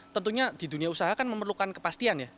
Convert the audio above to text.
tentunya di dunia usaha kan memerlukan kepastian ya